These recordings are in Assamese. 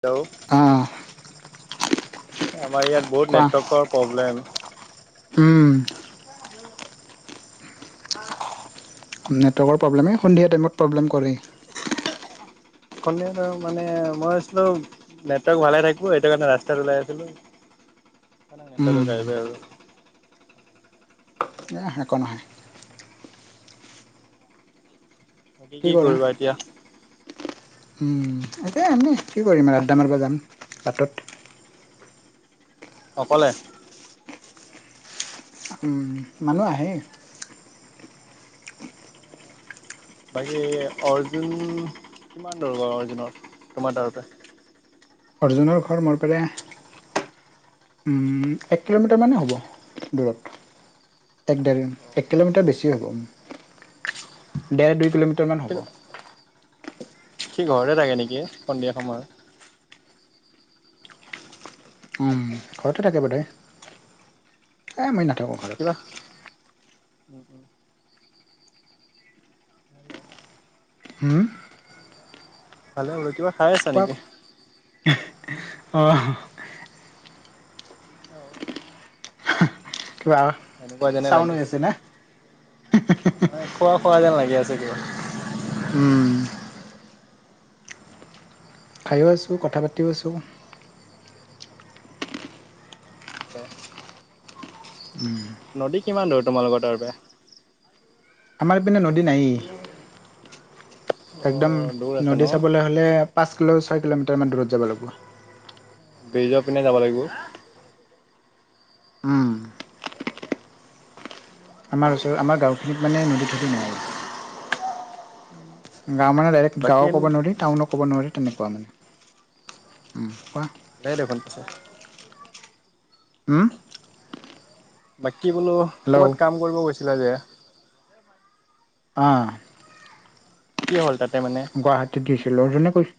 হেল্ল'? আহ আমাৰ ইয়াত বহুত কোৱা নেটৱৰ্কৰ প্ৰব্লেম। উম। নেটৱৰ্কৰ প্ৰব্লেমে, এই সন্ধিয়া টাইমত প্ৰব্লেম কৰেই। ক'লে আৰু মানে মই [unintelligible] নেটৱৰ্ক ভালে থাকিব এইেটো কাৰণে ৰাস্তাত ওলাই আছিলো [unintelligible] নেটৱৰ্ক উম গায়েৱে হৈ গ'ল। নেহ একো নহয়। তাকে কি কৰিবা এতিয়া? উম' এতিয়া এনেই, কি কৰিম আ আদ্দা মাৰিব যাম বাটত। অকলে। উম' মানুহ আহেই। বাকী অৰ্জুন কিমান ধৰো বাৰু অৰ্জুনৰ তোমাৰ তাৰতে? অৰ্জুনৰ ঘৰ মোৰ ফালে। উম' এক কিলোমিটাৰমানেই হ'ব দূৰত। এক দেৰ এক কিলোমিটাৰ বেছি হ'ব। ডেৰ দুই কিলোমিটাৰমান হ'ব। সিঁ ঘৰতে থাকে নেকি সন্ধিয়া সময়ত? উম' ঘৰতে থাকে বা তাই, এই মই নাথাকোঁ ঘৰত। অহ'। উম' উম'। হুওম? ভালে হব, কিবা খাই আছা নেকি? অঁহ'। অঁ'। কিবা চাউন হৈ আছেনে? এ খোৱা খোৱা যেন লাগি আছে কিবা? উম, খায়ো আছো কথা পাতিও আছোঁ। নদী কিমান দূৰ তোমালোকৰ তাৰ পৰা? আমাৰ এপিনে নদী নায়েই, একদম অ দূৰ আছে ন নদী চাবলৈ হ- লে পাঁচ কিলো ছয় কিলোমিটাৰমান দূৰত যাব লাগিব। ব্ৰিজৰ পিনে যাব লাগিব। উম আমাৰ ওচৰ আমাৰ গাঁখিনিত মানে নদী ঠদী নাই। গাঁও মানে ডাইৰেক্ট বাকী গাঁৱও ক'ব নোৱাৰি- টাউনো ক'ব নোৱাৰি তেনেকুৱা মানে। উম' কোৱা? লে দেখোন পিছে। উওম? বাকী বোলো হেল্ল' ক'বাত কাম কৰিব গৈছিলা যে- অঁহ' কি হ'ল তাতে মানে? গুৱাহাটীত দিছিলো জোনে কৈছ-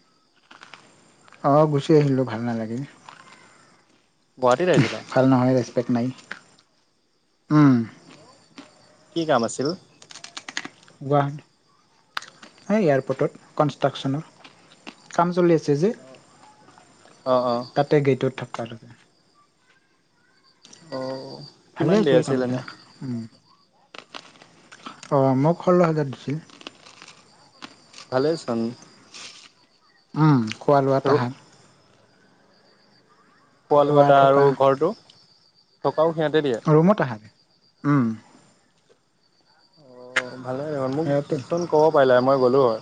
অ গুচি আহিলোঁ, ভাল নালাগিল। গুৱাহাটীত আহিছিলা ভাল নহয় ৰেচপেক্ট নাই, উম'। কি কাম আছিল? গুৱাহাটী এই এয়াৰপৰ্টত কনষ্ট্ৰাকশ্যনৰ। কাম চলি আছে যে। অঁ অঁ। তাতে গেইটোত থাকিবা লাগে। অও'। ভালে হৈছিল কামটা, উম' অ মোক ষোল্ল হাজাৰ দিছিল। [unintelligible] ভালেই চোন। উম খোৱা লোৱা আৰু তাহাত খোৱা লোৱা তাৰ আৰু ঘৰটো, থকাও সিহঁতে দিয়ে। ৰোমত আহা, উম। অ', ভালেই দেখোন। মোক সিহঁতেই চোন ক'ব পাৰিলা হয় মই গ'লোঁ হয়।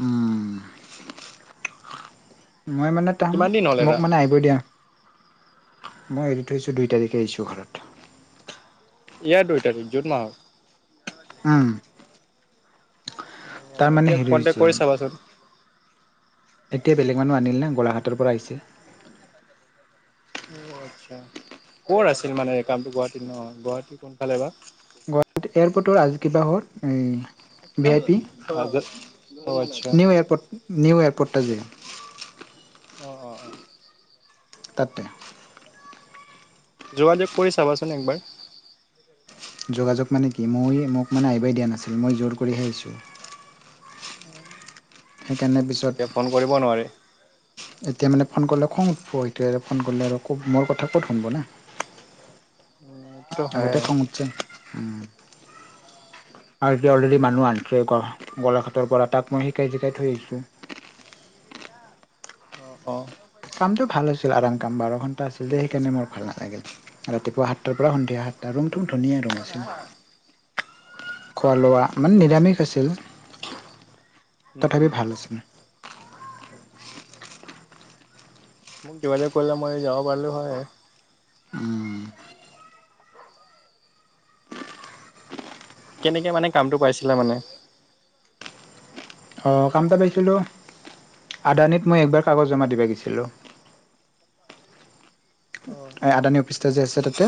উম। মই মানে তাম কিমান দিন হ'ল মোক এটা মানে আই ব দিয়া মই এৰি থৈছোঁ দুই তাৰিখে আহিছোঁ ঘৰত। ইয়াৰ দুই তাৰিখ জুন মাহৰ? উম। তাৰ অ', মানে এতিয়া হেৰি হৈছে কণ্টেক্ট কৰি চাবাচোন। এতিয়া বেলেগ মানুহ আনিল নে গলাঘাটৰ পৰা আহিছে। অ', আচ্ছা ক'ৰ আছিল মানে এই কামটো গুৱাহাটীত ন? গুৱাহাটীত কোনফালে বা গুৱাহাটী এয়াৰপৰ্টৰ আজি কিবা হ'ল এই ভি আই পি [unintelligible] অ', আচ্ছা। নিউ এয়াৰপৰ্ট নিউ এয়াৰপৰ্টটা যে। অ', অ',। তাতে। যোগাযোগ কৰি চাবাচোন একবাৰ। যোগাযোগ মানে কি, মই মোক মানে আহিবাই দিয়া নাছিল মই জোৰ কৰিহে আহিছোঁ। [unintelligible] সেইকাৰণে পিছত এতিয়া ফোন কৰিব নোৱাৰে এতিয়া মানে ফোন কৰিলে খং উঠব। এতিয়া ফোন কৰিলে আৰু ক' মোৰ কথা ক'ত শুনব না। অ',। আগতে খং উঠছে। অ' আৰু এতিয়া অলৰেডি মানুহ আন অঁ [unintelligible] গোলাঘাটৰ পৰা তাক মই শিকাই জিকাই থৈ আহিছোঁ। অ', অ কামটো ভাল আছিল। আৰাম কাম, বাৰ ঘণ্টা আছিল যে সেইকাৰণে মোৰ ভাল নালাগিল ৰাতিপুৱা সাতটাৰ পৰা সন্ধিয়া সাত ৰোম থুম ধুনীয়া ৰোম আছিল। খোৱা লোৱা মানে মোক নিৰামিষ আছিল উম, উম, তথাপি ভাল আছিল। মোক কিবা যে ক'লা মই যাব পাৰলো হয়। কেনেকে মানে কামটো পাইছিলা মানে? অ', কামটা পাইছিলোঁ আদানীত মই একবাৰ কাগজ জমা দিব গৈছিলোঁ। [inaudible] এ আদানী অফিচটো যে আছে তাতে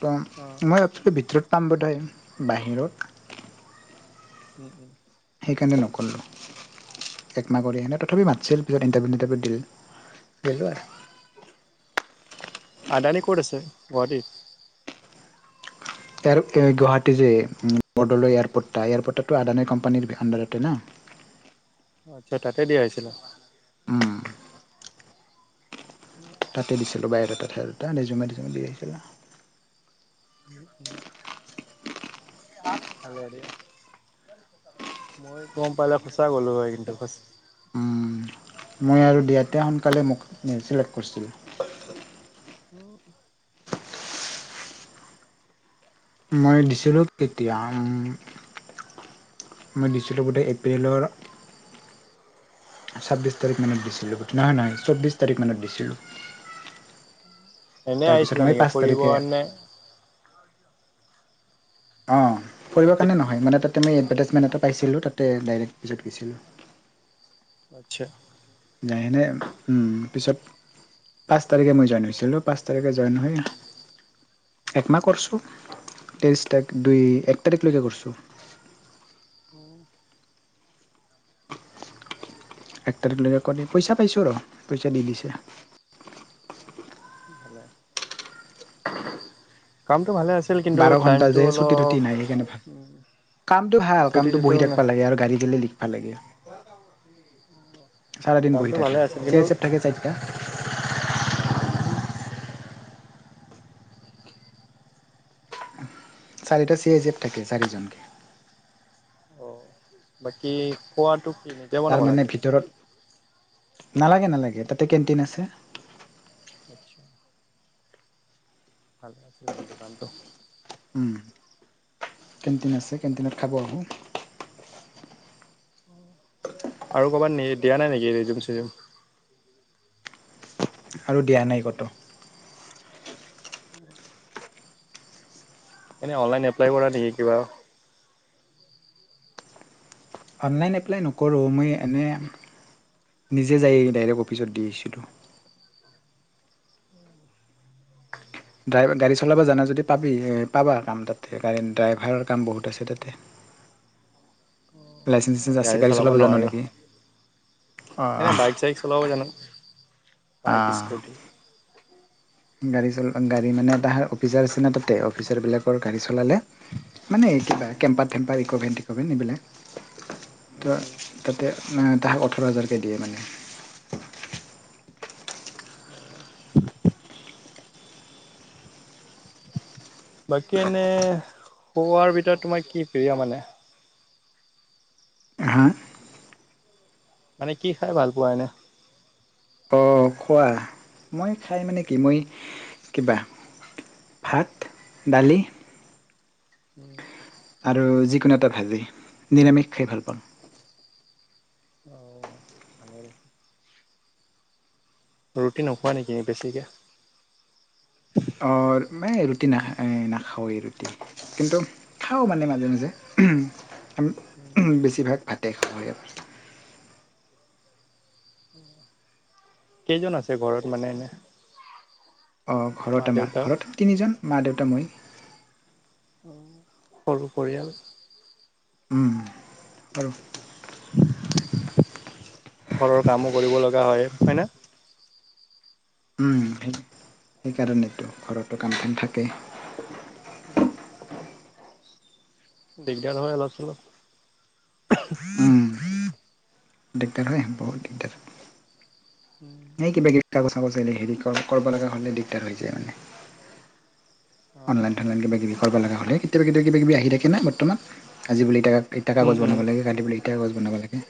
ত অঁ মই এই ভিতৰত পাম বোধ হয় বাহিৰত উ উ সেইকাৰণে নক'লোঁ। একমাহ কৰি সেনেই তথাপি মাতছিল পিছত ইণ্টাৰভিউ তিণ্টাৰভিউ দিলিলোঁ আৰু। আদানী ক'ত আছে গুৱাহাটীত? এয়াৰ এ গুৱাহাটী যে বৰদলৈ এয়াৰপৰ্টটা এয়াৰপৰ্টটো আদানী কোম্পানীৰ আণ্ডাৰতে না। আচ্ছা তাতে দি আহিছিলা উম। [unintelligible] দি দিছিলোঁ বায়ডাটা চায়ডাটা ৰিজুম [unintelligible] দি আহিচো। [unintelligible] হ'ব দিয়া। মই গম পালে সঁচা গ'লোঁ হয় কিন্তু সঁ উম, মই আৰু দিয়াতে সোনকালে মোক চিলেক্ট কৰিছিল। উম। মই দিছিলোঁ কেতিয়া? মই দিছিলোঁ বোধেই এপ্ৰিলৰ ছাব্বিছ তাৰিখ মানত দিছিলোঁ, নহয় চৌব্বিছ তাৰিখ মানত দিছিলোঁ। এনে তাৰপিছত আহিছিলা মই নেকি পাঁচ ফুৰিব তাৰিখে কাৰণে অঁ, ফৰিব কাৰণে নহয় মানে তাতে মই এডভাৰ্টাইজমেণ্ট এটা পাইছিলোঁ তাতে ডাইৰেক্ট অফিছত গৈছিলোঁ। আচ্ছা। নাই এনেই আন পিছত পাঁচ তাৰিখে মই জইন হৈছিলোঁ, পাঁচ তাৰিখে জইন হয় একমাহ কৰিছোঁ, তেইছ তাৰিখ দুই এক তাৰিখলৈকে কৰিছোঁ। উম। এক তাৰিখলৈকে কৰি পইচা পাইছো ৰ পইচা দি দিছে। মোৰ ভালেই। কামটো ভালে আছিল, কিন্তু বাৰ ঘণ্টা টাইমটো যে ছুটি টুটি অলপ নাই সেইকাৰণে ভাল কামটো ভাল ছুটি কামটো বহি চুটিও থাকা নাই লাগে আৰু গাড়ী গিলি ভাল লাগে চাৰে দিন বহি কামটো থাকা, ভালে আছিল চ কিন্তু চেপ থাকে চাৰিটা। চাৰিটা চি আই চিফ থাকে চাৰিজনকে। অ। বাকী খোৱাতটো ফ্ৰি নে তাৰমানে ভিতৰত নালাগে নালাগে তাতে কেণ্টিন আছে। আচ্ছা। ভাল পাইছিলোঁ কিন্তু কামটো। উম কেণ্টিন আছে কেণ্টিনত খাব আহোঁ। আৰু ক'ৰবাত নি দিয়া নাই নে ৰিজিম চিজুউম। আৰু দিয়া নাই ক'তো। এনেই অনলাইন এপ্লাই কৰা নেকি কিবা, অনলাইন এপ্লাই নকৰোঁ মই এনে নিজে যাই ডাইৰেক্ট অফিচত দি আহিছিলোঁ। ড্ৰাইভ গাড়ী চলাব জানা যদি পাবি পাবা কাম তাতে গাড়ী ড্ৰাইভাৰৰ কাম বহুত আছে তাতে? লাইচেঞ্চ নাই চাইচেঞ্চ আছে গাড়ী চলাব জান নোৱাৰো, নেকি অঁ এনেই অঁ, গাড়ী চল মানে এটা অফিচাৰ নিচিনা তাতে গাড়ী চলালে মানে কিবা কেম্পাৰেম্পাৰ ইভেন ভেন এইবিলাক ত উম উম তাতে মানে তাহাক ওঠৰ হাজাৰকৈ দিয়ে মানে। অ। বাকী এনেই খোৱাৰ ভিতৰত তোমাৰ কি প্ৰিয় মানে? হা মানে কি খাই ভাল পোৱা এনে? অ খোৱা মানে কি মই উম কিবা ভাত দালি, উম, আৰু যিকোনো এটা ভাজি নিৰামিষ খাই ভাল পাও। অ' ভালে। ৰুটি নোখোৱা নেকি বেছিকৈ। অ' মই ৰুটি নাই নাখাওঁ এই ৰৰুটি। কিন্তু খাওঁ মানে মাজে, মাজে। বেছিভাগ ভাতে খাও। কেইজন আছে ঘৰত মানে এনে। মা ঘৰত দেউতা ঘৰত তিনিজন মা, দেউত, মই। সৰু পৰিয়াল। উম, আৰু ঘৰৰ কামো কৰিব লগা হয়, হয় নে। উম, সেইকাৰণেতো ঘৰতো কাম বন থাকেই। উম, দিগদাৰ হয় অলপ চলপ। উম, দিগদাৰ হয় বহুত দিগদাৰ। উম, এই কিবা কিবা কাগজ-চাগজ হেৰি কৰিব লগা হ'লে দিগদাৰ হৈ যায় মানে। অনলাইন অ', থনলাইন কিব কিবি কৰিব লগা হ'লে কেতিয়াবা, কেতিয়াবা কিবাকিবি আহি থাকে। ঠিক নাই বৰ্তমান আজি বুলি ইটা, ইটা উম, কাগজ উম, বনাব লাগে কালি ব বুলি ইতিটা কাগজ বনাব লাগে।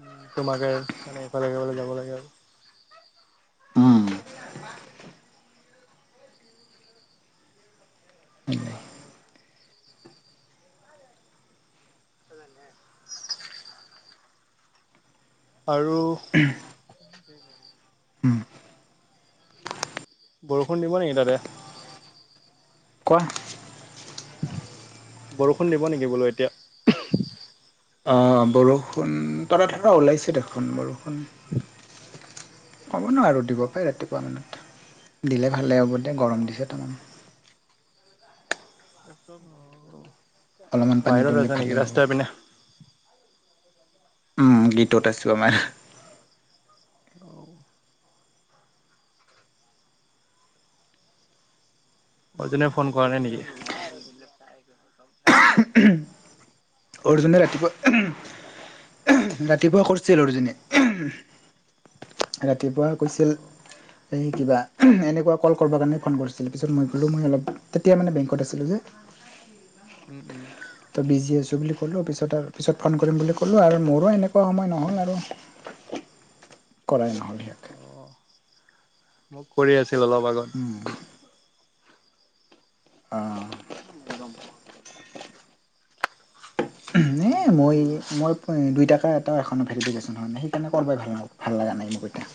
উম, তোমাকে মানে ইফালে সফালে যাব লাগে আৰু। উম, সানে [unintelligible] আৰু বৰষুণ দিব নেকি তাতে? কোৱা? বৰষুণ দিব নেকি বোলো এতিয়া? অ' বৰষুণ তৰা তৰা ওলাইছে দেখোন বৰষুণ। হ'ব ন আৰু দিব পাৰে ৰাতিপুৱা মানত দিলে ভালেই হ'ব দিয়া গৰম দিছে তামান। অলপমান পানী বাহিৰত পৰিলে আছা ভালেই নেকি হ'ব ৰাস্তাই পিনে। উম, গেটত আছো আমাৰ। অ', অৰ্জুনে ফোন কৰা নাই নেকি? ন আৰুাই গ থ গ ন [unintelligible] অৰ্জুনে ৰাতিপুৱা, ৰাতিপুৱা কৰিছিল অৰ্জুনে। [unintelligible] ৰাতিপুৱা কৈছিল। এই কিবা এনেকুৱা কল কৰিবৰ কাৰণে ফোন কৰিছিল। পিছত মই গ'লো মই অলপ তেতিয়া মানে বেংকত আছিলো যে। উম, উম। ত' বিজি আছো। বুলি ক'লো পিছত আৰু পিছত ফোন কৰিম বুলি ক'লো, আৰু মোৰো এনেকুৱা সময় নহ'ল আৰু। কৰাই নহ'ল। অ', মোক কৰি আছিল অলপ আগত। উম, অ', [unintelligible] উহ এ মই মোৰ এ দুইটাকাৰ এটা এখনৰ ভেৰিফিকেশ্যন হয় নাই সেইকাৰণে কৰবাই ভাল ন। ভাল লাগা নাই হ'ব দিয়া।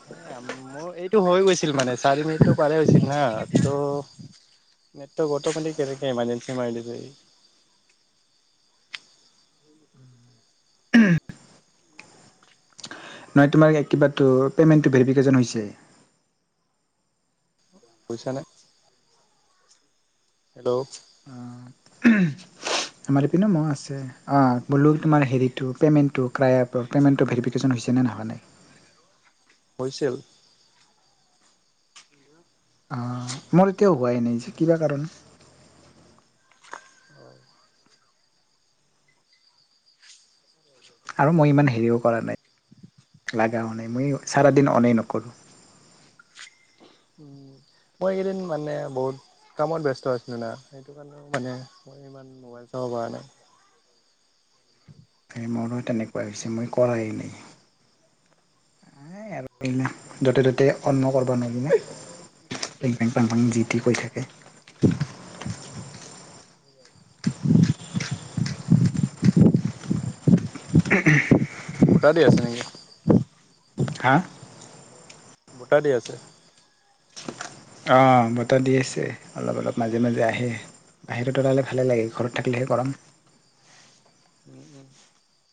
[unintelligible] অ' এইটো হৈ গৈছিল মানে চাৰি মিনিটটো পাৰে হৈছিল না ত [unintelligible] গটৰ পানি কেনেকে এমাৰজেঞ্চি মাৰি দিবি। নহয় তোমাৰ এ কিবাটো পে'মেণ্টটো ভেৰিফিকেশ্যন হৈছে। পইচা নাই। হেল্ল'? আমাৰ পিনে মোৰ আছে, অ বোলো তোমাৰ হেৰিটো পেমেণ্টটো ক্ৰায়া এপৰ পে'মেণ্টটো ভেৰিফি কেশ্বন হৈছে নে নাই হোৱা নাই? হৈছে। অ, মোৰ এতিয়াও হোৱাই নাই যে কিবা কাৰণ হয়। আৰু মই ইমান হেৰিও কৰা নাই, লাগাও নাই মই চাৰা দিন অনেই নকৰোঁ। উম। মই এইকেইদিন মানে বহুত কামত ব্যস্ত আছিলো না সেইটো কাৰণেও মানে মই ইমা ওম মোবাইল চাব পৰা নাই। সেই মোৰো তেনেকুৱা হৈছে মই কৰাই নাই। এই আৰু [unintelligible] য'তে ত'তে অন্ন কৰিব নোৱাৰিনে, উম, পেং-পেং-পাং-পাং যি টি কৈ থাকে। উম, [unintelligible] বতাহ দি আছে নেকি? হা? বতাহ দি আছে? অঁ, বতাহ দি আছে। অলপ অলপ মাজে মাজে আহে, বাহিৰত থকা হলে ভালে লাগে ঘৰত থাকিলেহে গৰম। উম-উম।